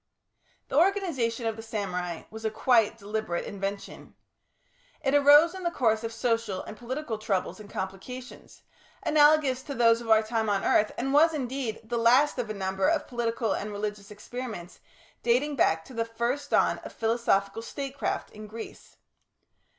This organisation of the samurai was a quite deliberate invention. It arose in the course of social and political troubles and complications, analogous to those of our own time on earth, and was, indeed, the last of a number of political and religious experiments dating back to the first dawn of philosophical state craft in Greece.